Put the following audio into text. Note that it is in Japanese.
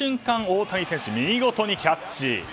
大谷選手、見事にキャッチ！